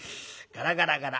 ガラガラガラ。